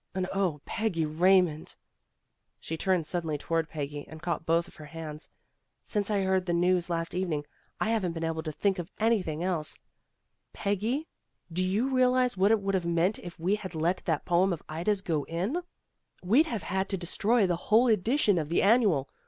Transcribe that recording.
And Oh, Peggy Raymond She turned suddenly toward Peggy, and caught both of her hands. '' Since I heard the news last evening, I haven't been able to think of anything else. Peggy, do you realize 266 PEGGY RAYMOND'S WAY what it would have meant if we had let that poem of Ida's go in? We'd have had to de stroy the whole edition of the Annual.